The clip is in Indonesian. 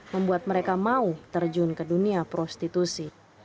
membuat mereka mau terjun ke dunia prostitusi